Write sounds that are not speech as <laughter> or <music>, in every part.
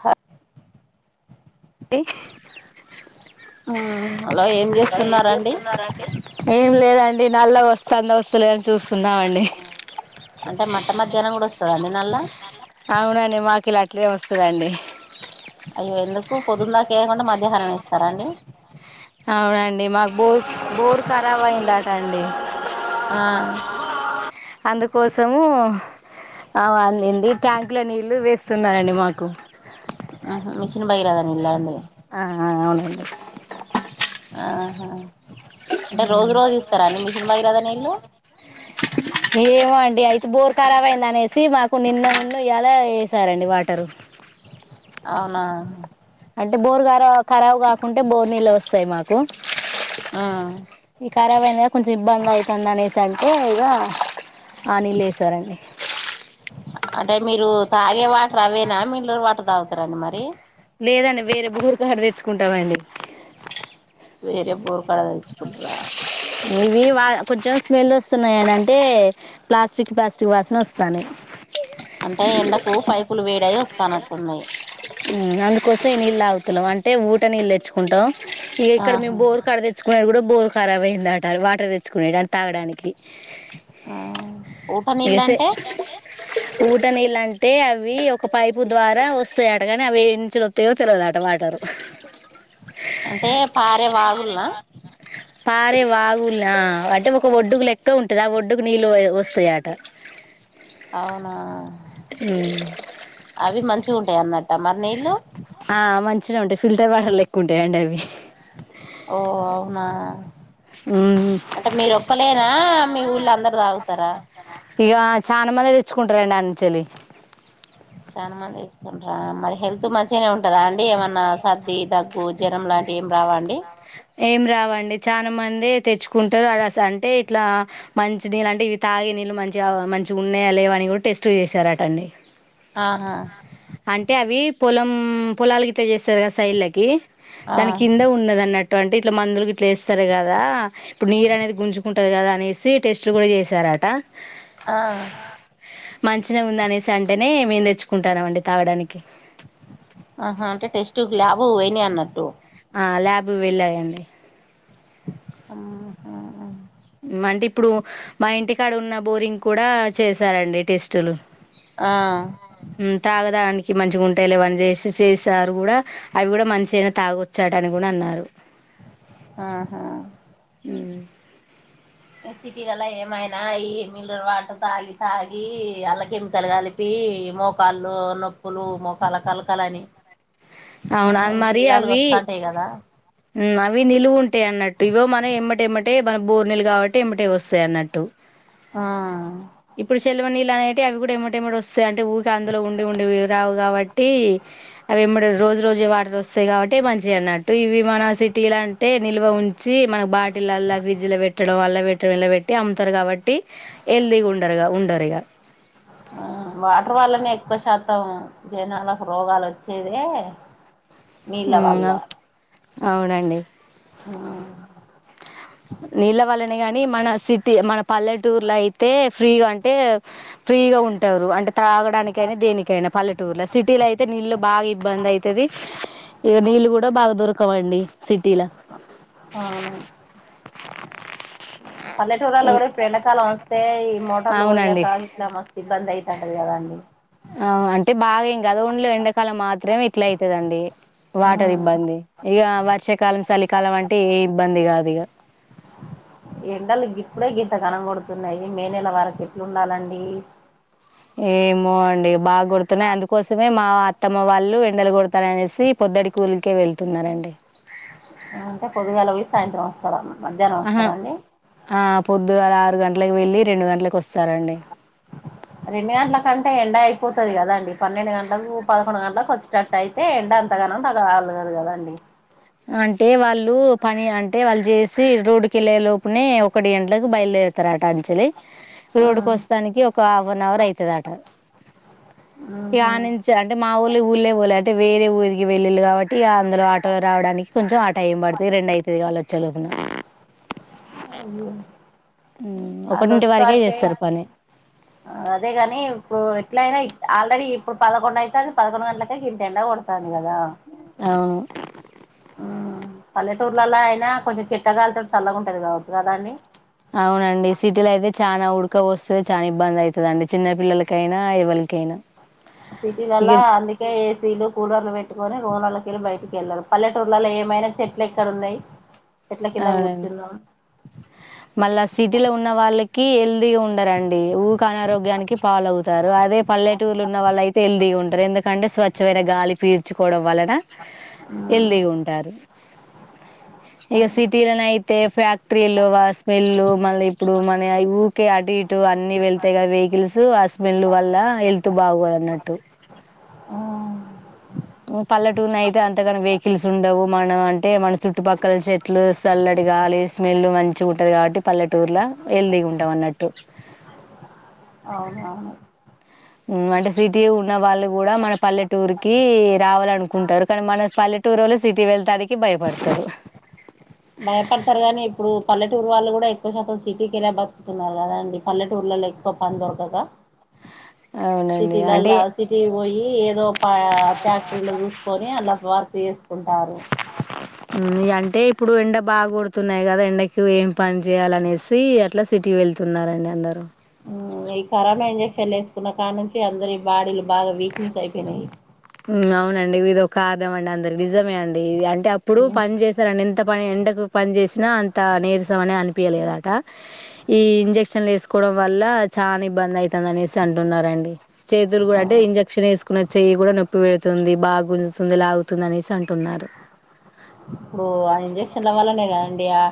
హ ఇ మ్మ్ హలో ఏం చేస్తున్నారండి ఏం లేదం ఇ నల్ల ఓస్తాందో ఓస్తాలే అన్ చూస్తున్నామండి అంటే మట్ట మధ్యానం కూడ వస్తాదా అండి నల్లా కిల కిలే వస్తుందండి అయ్యో ఎందుకు పొదుందాక వేయకుండా మధ్యాహ్నం వేస్తారా అండి. అవునండి మాక్ బోర్ బోర్ కారాబ్ అయిందట అండి ఆ అందుకోసము ఆవ్ అందింది ట్యాంక్ లో నీళ్ళు వేస్తున్నారండి మాకు కిన్ భగీరథ నీళ్ల అండి ఆ అవ్ అవునుండి ఆహా అంటే రోజు రోజు ఇస్తారా అండి మిషన్ భగీరథ నీళ్ళు ఏమో అండి అయి తు బోర్ కరబ్ అయిందనేసి మాకు నిన్ననుండి ఇయ్యాల ఎసారండి వాటరు అవునా డే బోరు కరా కరాబ్ కాకుంటే బోర్ నీళ్లే ఒస్తాయ్ మాకు ఆ య కొంచె ఇబ్బంద్ధైతంద్ అనేసార్కే ఇగ ఆ నీళ్ ఎసారాండి అంటే మీరు తాగే వాటర్ అవేనా మిన్లర్ వాటర్ తాగుతారండి మరి లేదండి వేరే బుర్ తాడు తెచ్చుకుంటామండి. వేరే బోర్ కడ తేచ్చుకుడురా ఇవి వా కొంచెం స్మెల్ వస్తున్నాయిని అంటే ప్లాస్టిక్ ప్లాస్టిక్ వాసన వస్తానయి. అంటే ఎండకు పైపులు వేడై వస్తానట్టున్నాయి. అందుకోసం ఈ నీళ్లు తాగుతలేం అంటే ఊట నీళ్ళు తెచ్చుకుంటాం. ఇక ఇక్కడ మేము ఆహా బోరు కడ తెచ్చుకునేది కూడా బోర్ఖరాబ్ అయిందట వాటర్ తెచ్చుకునేని తాగడానికి ఆ ఊట నీళ్ళంటే ఊట నీళ్ళు టే అవి ఒక పైపు ద్వారా వస్తాయ తేగాని అవి ఇంచ్లో తెల్తలేదట వాటరు అంటే పారే వాగుల్నా <unintelligible> వాగులు అంటే ఒక ఒడ్డుకు లెక్క ఉంటది ఆ ఒడ్డుకు నీళ్ళు వస్తాయట అవునా అవి మంచిగా ఉంటాయి అన్నట్ట మరి నీళ్లు ఆ మంచిగనే ఉంటాయి ఫిల్టర్ వాటర్ లెక్కు ఉంటాయిండి అవి ఓ అవునా అంటే మీరు ఒక్కలేనా మీ ఊళ్ళ అందరు తాగుతారా ఇక చాలా మంది తెచ్చుకుంటారండి అనుంచలి చానా మంది తెచ్చుకుంటారా మరి హెల్త్ మంచిగానే ఉంటదా అండి ఏమన్నా సర్ది, దగ్గు జ్వరం లాంటివి ఏం రావా అండి. ఏం రావండి చానా మంది. తెచ్చుకుంటారు అ అంటే ఇట్లా మంచి నీళ్ళు అంటే ఇవి తాగే నీళ్ళు మంచిగా మంచిగా ఉన్నాయా లేవని ఏవో టెస్ట్లు చేసారటండి ఆహా అంటే అవి పొలం పొలాలు గిట్ట చేస్తారు కదా సైడ్లకి ఆ దాని కింద ఉన్నదన్నట్టు అంటే ఇట్లా మందులు ఇట్లేస్తారు కదా ఇప్పుడు నీరు అనేది గుంజుకుంటది కదా అనేసి టెస్ట్లు కూడా చేసారా ట ఆ మంచిగనే ఉంది అనేసి అంటేనే మేము తెచ్చుకుంటాన్నాం అండి తాగడానికి ఆహా అంటే టెస్ట్ ల్యాబ్ కి పోయినాయి అన్నట్టు ఆ ల్యాబ్ వెళ్ళాయండి ఆహ అంటే ఇప్పుడు మా ఇంటికాడ ఉన్న బోరింగ్ కూడా చేసారండి టెస్టులు. ఆ ఉమ్ తాగడానికి మంచిగా ఉంటాయిలేవని చేసి చేసారు కూడా అవి కూడా మంచి అయినా తాగొచ్చాటా అని కూడా అన్నారు. ఆహా ఉమ్ ఎ సిటీలలా ఏమైనా ఈ మినరల్ వాటర్ తాగి తాగి అలా కెమికల్ కలిపి మోకాళ్ళు నొప్పులు మోకాలు కలకలని ఆ అవునా ఇన్ని మరి విధాలుగా అవి వస్తాంటాయి కదా ఉమ్ అవి నిలువు ఉంటాయి అన్నట్టు ఇవో మనం ఎమ్మటెమ్మటే మన బోర్నీలు కాబట్టి ఎంబేట్ వస్తాయి అన్నట్టు ఆ ఇప్పుడు సేలవ నీళ్ళు అనే అవి కూడా ఇంబటెమ్మటే వస్తాయి అంటే ఊకే అందులో ఉండి ఉండివి రావు కాబట్టి అవి ఎంబడే రోజు రోజు వాటర్ వస్తాయి కాబట్టి మంచిగా అన్నట్టు ఇవి మన సిటీ అంటే నిల్వ ఉంచి మన బాటిల్ అ ఫ్రిడ్జ్ లో పెట్టడం అల్ల పెట్టడం ఇలా పెట్టి అమ్ముతారు కాబట్టి హెల్దీగా ఉండరుగా ఉండరు ఇగా ఆ వాటర్ వల్లనే ఎక్కువ శాతం జనాలకు రోగాలు వచ్చేదే నీళ్ల వళ్ళ అవునండి ఆ నీళ్ళవల్లని గాని మన సిటీ మన పల్లెటూరులో అయితే ఫ్రీగా అంటే ఫీ ఫ్రీగా ఉంటారు అంటే త్రాగడానికైనా దేనికైనా పల్లెటూరుల సిటీలో అయితే నీళ్ళు బాగా ఇబ్బంది అయితది. ఇక నీళ్ళు కూడా బాగా దొరకవండి సిటీలా ఆ పల్లెటూరుల్లో కూడా ఇప్పుడు ఎండాకాలం వస్తే ఈ మోటార్లు అవునండి పోయాక ఇట్లా మస్తు ఇబ్బంది అయితాంటది కదండి ఆ అంటే బాగా ఏం కాదు ఓన్లీ ఎండకాలం మాత్రమే ఇట్లా అయితదండి వాటర్ ఇబ్బంది ఇక వర్షాకాలం చలికాలం అంటే ఏ ఇబ్బంది కాదు ఇక ఎండలు ఇప్పుడే గీంత గాన కొొడుతున్నాయి మే నెల వరకు ఎట్ల ఉండాలండి ఏమో అండి బాగాగుడుతున్నాయి అందుకోసమే మా అత్తమ్మ వాళ్ళు ఎండలు కొడతానయి అనేసి. పొదడి కూలికే వెళ్తున్నారండి అంటే పొదుగాల పోయి సాయంత్రం వస్తారన్న ఆహా ఆ పొద్దుగలా ఆరు గంటలకు వెళ్ళి రెండు గంటలకు వస్తారండి రెండు గంటల కంటే ఎండ అయిపోతది కదా అండి పన్నెండు గంటలకు పదకొండు గంటలకు వచ్చేటట్టు అయితే ఎండ ఎంతగాన ఉంటే <unintelligible> కదాండి అంటే వాళ్ళు పని అంటే వాళ్ళు చేసి రోడ్డు కెళ్లే లోపునే ఒకటి గంటలకి బయలుదేరు తారట అంచలి రోడ్కి ఉమ్ వస్తానికి ఒక హాఫ్ అన్ అవర్ అయితది ఆట ఇక ఉహు ఆ నుంచి అంటే మా ఒళ్ళు ఊళ్ళో కి పోలా అంటే వేరే ఊరికి వెళ్ళిలు కాబట్టి ఇక అందులో ఆటో కొంచెం ఆ టైం పడుతది రెండు అయితది ఇక వాళ్ళు వచ్చే లోపున అవును <unintelligible> మ్ ఒకటింటి వరకే వాళ్ళచ్చసరకే చేస్తారు పని అదే గాని ఇప్పుడు ఎట్లయినా ఆల్రెడీ ఇప్పుడు పదకొండుయితుంది పదకొండుగంటలకే ఇంతఎండకొడుతాంది కదా అవును పల్లెటూర్లలా అయినా కొంచెం చెట్లగాలితో చల్లగా ఉంటది కావచ్చు కదా అండి అవునండి సిటీలో అయితే చానా ఉడకపోస్తది చాన ఇబ్బంది అయితాది అండి చిన్న పిల్లలకైనా ఎవలికైనా సిటీ లల్లో ఇక అందుకే ఏసీలు కూలర్లు పెట్టుకొని <unintelligible> టోనలాకెళ్ళి బయటికి వెళ్లరు పల్లెటూర్లలో ఏమైనా చెట్లు ఎక్కడ ఉన్నయి అవునండి మళ్ళా సిటీలో ఉన్న వాళ్ళకి ఎల్ ఉండరండి ఊక అనారోగ్యానికి పాలవుతారు అదే పల్లెటూర్ల ఉన్న వాళ్ళ అయితే హెల్తీగా ఉంటారు ఎందుకంటే స్వచ్ఛమైన గాలి పీల్చు కోవడం వలన హెల్తీగా ఉమ్ ఉంటారు ఇక సిటీ లొ నయితే తే ఫ్యాక్టరీలు స్మెల్ మళ్ళి ఇప్పుడు మన ఊరికే అటు ఇటు అన్ని వెళ్తాయి గా వెహికల్స్ హ స్మెల్ వల్ల హెల్త్ బాగోదు అన్నట్టు ఆ పల్లెటూన అయితే అంతగాన వెహికల్స్ ఉండవు మనం అంటే మన చుట్టుపక్కల చెట్లు చల్లటి గాలి స్మెల్ మంచిగ ఉంటది కాబట్టి పల్లెటూర్ల హెల్తీగా ఉంటాం అన్నట్టు అవునవును అంటే సిటీ ఉన్న వాళ్ళు కూడా మన పల్లెటూరు కి రావాలనుకుంటారు కానీ మన పల్లె పల్లెటూరోళ్ళు సిటీ వెళ్ళటానికి భయపడతారు భయపడతారు కానీ ఇప్పుడు పల్లెటూరు వాళ్ళు కూడా ఎక్కువ శాతం సిటీ కెళ్ళి బతుకుతున్నారు కదండి పల్లెటూరులో ఎక్కువ పని దొరకక ఆ సిటీలల్లా సిటీ పోయి ఏదో ఫ్యాక్టరీలో చూసుకొని అలా వర్క్ చే ఉంటారు ఊ అంటే ఇప్పుడు ఎండ బాగా కొడుతున్నాయి కదా ఎండకు ఏమి పని చేయాలనేసి అట్లా సిటీ వెలు తున్నారు వెళ్తున్నారండి అందరూ ఈ కరోనా ఇంజక్షన్లు వేసుకున్న కాడి నుంచి అందరి ఈ బాడీలు బాగా వీక్నేెస్ అయిపోయినాయి అవునండి ఇది ఒక ఆదాం అండి అందరు నిజమే అండి అంటే అప్పుడు ఉమ్ పని చేశారండి ఎంత ంత పని ఎండకు పని చేసినా అంత నీరసం అని అనిపీయలేదట ఈ ఇంజక్షన్లు వేసుకో <unintelligible> వల్ల చానా ఇబ్బంది అయితాందనేసి అంటున్నారండి చేతులు కూడా ఆ అంటే ఇంజక్ క్షన్ వేసుకున్న చెయ్యి కూడా నొప్పి పెడుతుంది బాగా గుంజుతుంది లాగుతుంది అనేసి అంటున్నారు ఇప్పుడు ఆ ఇంజక్షన్ల వల్లనే కదండీ ఆ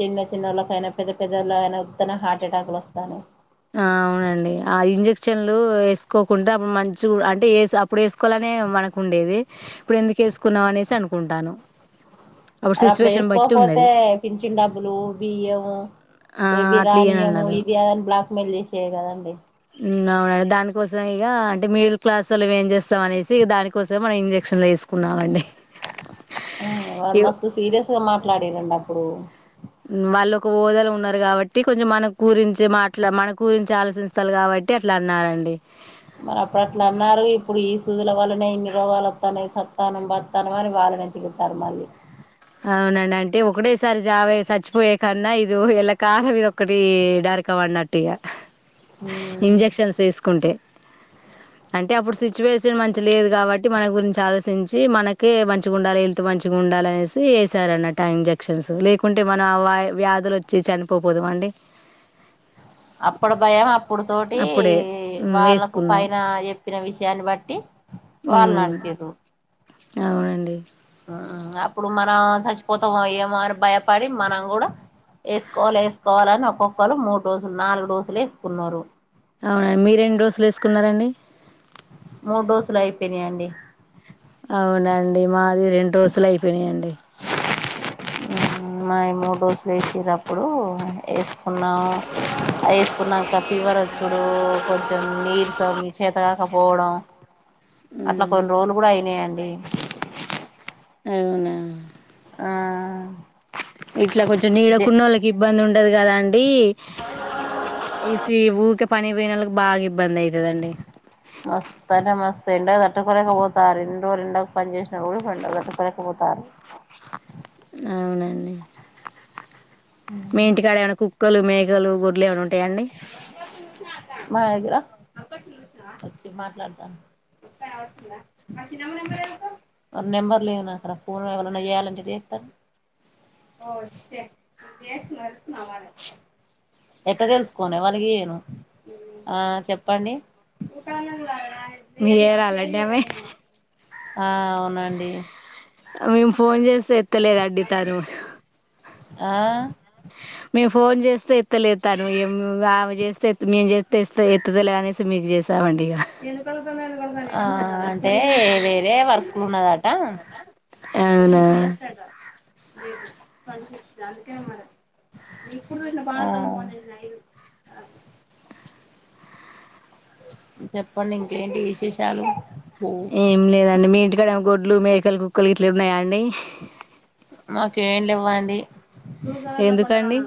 చిన్న చినోళ్ళ కైనా పెద్ద పెద్దోళ్ల అయినా ఉత్తగనే హార్ట్ అటాక్ లు వస్తానయి ఆ అవునండి ఆ ఇంజెక్షన్లు వేసుకోకుంట మంచు అంటే ఎసు అప్పుడు వేసుకోవాలని నే మనకు ఉండేది ఇప్పుడు ఎందుకు వేసుకున్నాం ఆనేసి అనుకుంటాను ఆది అప్పుడు సిచ్యువేషన్ బట్టి వేసుకోకపోతే ఉన్నది. పించిన్ డబ్బులు బియ్యము ఆ! ఇటీకి రానియము అట్లియ్యనన్నారు. ఇది అదని బ్లాక్ మెయిల్ చేసేది కదండి అవునండి దానికోసమ ఇగా అంటే మడిల్ క్లాస్ వాళ్ళం ఏం చేస్తాం అనేసిక దానికోసమే మనం ఇంజెక్షన్లు వేస కున్నామండి ఉ వారు మస్తు సీరియస్ గా మాట్లాడారండి అప్పుడు వాళ్ళు ఒక హోదలో ఉన్నారు కాబట్టి కొంచెం మనకు గురించి మాట్లా మన గురించి ఆలోచిస్తారు కాబట్టి బట్టి అట్లా అన్నారండి మరి అప్పుడు అట్లా అన్నారు ఇప్పుడు ఈ సూదుల వల్లనే ఇన్ని రోగాలు వత్తాన్నాయి <unintelligible> అవునండి అంటే ఒకటేసారి చావే చచ్చిపోయే కన్నా ఇది ఎళ్లా కాలం ఇది ఒకటి నరకం ఆనట్టుగా ఉమ్ ఇంజక్షన్స్ వేసుకుంటే అంటే అప్పుడు సిచ్యువేషన్ మంచి లేదు కాబట్టి మన గురించి ఆలోచించి మనకే మంచిగా ఉండాలి హెల్త్ మంచి ఉండాలి అనేసి వేశారన్నట్టు ఇంజక్షన్స్ లేకుంటే మనం వ్యాధులు వచ్చి చనిపోపోదుమా అండి అప్పుడు భయం అప్పుడు తోటి అప్పుడే మ్మ్ వాళ్ళకు వేసుకున్నాం పైన చెప్పిన విషయాన్ని బట్టి వాళ్ళు మ్మ్ నడిసిర్రు అవునండి అప్పుడు మనం చచ్చిపోతాం ఏమో అని భయపడి మనం కూడా వేసుకోవాల వేసుకోవాలని ఒక్కొక్కళ్రు మూడు డోసులు నాలుగు డోసులు వేసుకున్నారు అవునండి మీరెన్ని డోస్ లు వేసుకున్నారండి మూడు డోసులు అయిపోయినాయండి అవునండి మావి రెండు డోస్ లు అయిపోయినాయండి మావి మూడు డోస్ వేసేటప్పుడు వేసుకున్నాము వేసుకున్నాక ఫీవర్ వచ్చుడు కొంచెం నీరసం చేతగాకపోవడం అట్లా మ్మ్ కొన్ని రోజులు కూడా అయినాయండి అవునా ఆ ఇట్లా కొంచెం జే నీడకున్న వాళ్ళకి ఇబ్బంది ఉండ ఉండదు కదాండి ఇ ఊకే పని పోయిన వాళ్ళకి బాగాంది ఇబ్బంది అయాతదండి ఎండ తట్టుకోలేకపోతారు ఇన్నీ రోజులు ఎండా పని చేసిన కూడా ఎండ తట్టుకోలేకపోతారు అవునండి మీ ఇంటికాడ ఏమైన్న కుక్కలు మేకలు గొడ్లు ఏమైనా ఉంటాయ అండి మా దగ్గర వచ్చి మాట్లాడతాను <unintelligible> మా చిన్నమ్మ నెంబర్ ఏసుకో నెంబర్ లేదు నా కాడా ఫోన్ ఎవరైన్నా చేయాలంటే చేస్తారు ఓ షట్ <unintelligible> ఎట్ట తెలుసుకోనే వాళ్ళకి ఇయాను ఆ చెప్పండి మీరు చేయాలండి ఆమె ఆ అవునండి మేము ఫోన్ చేస్తే ఎత్తలేదు అండి తను ఆ మేము ఫోన్ చేస్తే ఎత్తలేదు తను ఏ ఆమె చేస్తే మేము చేస్తేస్త ఎత్తలే అనేసి మీకు చేస్తా ఆ అంటే వేరే వర్క్ ఉన్నదట ఈ అవునా రోజే లాస్ట్ అట అందుకే తెచ్చుకుందాం ఆ చెప్పండి ఇంకేంటి విశేషాలు ఏం లేదండి మీ ఇంటికాడ ఏ గోర్లు మేకలు కుక్కలు ఇట్లు ఉన్నాయాండి మాకేం లేవండి ఎందుకండి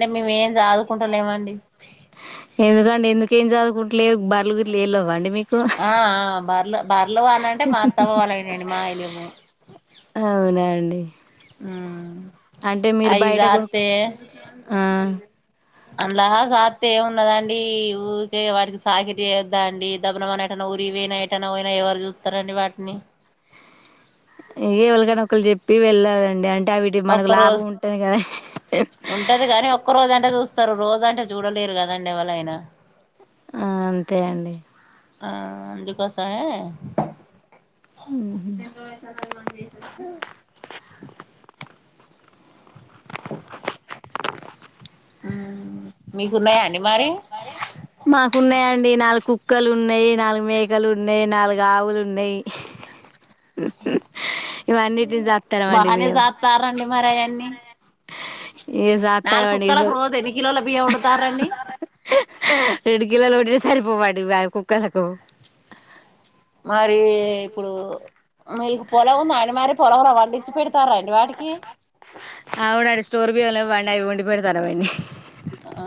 డి మీ వే జాదు ఎందుకండి ఎందుక ఏం చదువుకుంటలే బర్లు గుట లేళవ్వండి మీకు ఆ ఆ బర్ల బర్లు కావాలంటే అంటే మా అత్తమ్మ వాళ్లయి అండి మాయి లేవు అవునా అండి అంటే మీరు అయి బయట కొన్ జాతే ఆ అండ్లా సాతే ఏమి ఉన్నదండి ఊకే వాటికి సాకితి చేయొద్దా అండి దబ్బున మనం ఏటాన్నా పో తే ఊరికి పోయినా ఎటన్నా పోయినా ఎవరు చూస్తరండి వాటిని ఇ ఎవరికన్నా ఒక్కరికి చెప్పి వెళ్లాలండి అంటే ఉంటది మనకు ఒక్క లాభం రోజు ఉంటది కదా ఉంటది కాని ఒక్క రోజు అంటే చూస్తారు రోజు అంటే చూడలేరు కదండి ఎవళ అయినా అ అంతే అండి ఆ అందుకోసమే ఎన్ని రోజులు అయితాంది మనం చేసి మీకుఉ న్నాయా అండి మరి మాకున్నాయండి నాలుగు కుక్కలు ఉన్నాయి నాలుగు మేకలు ఉన్నాయి నాలుగు ఆవులు ఉన్నాయి ఇవి అన్నిటిని సాత్తనామండి బానే మేము సాత్తారండి మరి అయన్నీ ఇగ నాలుగు సాత్తానమండి కుక్కలకు రోజు ఎన్ని కిలోల బియ్యం ఒండుతారు అండి రెండు కిలోలు ఒండినా సరిపోవు అండి మా కుక్కలకు మరి ఇప్పుడు మీకు పొలం ఉందా అండి మరి పొలంల పండిచ్చి పెడతారా అండి వాటి అవునండి స్టోర్ బియ్యం లేవు అని అవి వండి పెడతాన్నం అండి అండి ఆ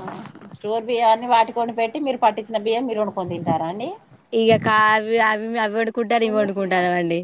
స్టోర్ బియ్యాన్ని వాటికి వండి పెట్టి మీరు పట్టించిన బియ్యం మీరు వండుకొని తింటారా అండి ఇగ కావి అవి అవి వండ్కుంటాను ఇవి వండుకుంటానాం అండి